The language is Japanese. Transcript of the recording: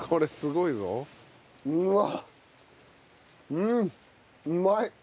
うんうまい！